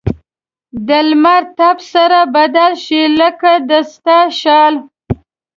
د لمر تپ سره بدل شي؛ لکه د ستا شال.